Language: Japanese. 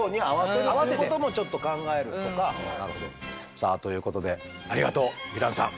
さあということでありがとうヴィランさん。